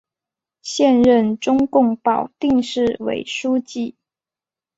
现任中共保定市委书记。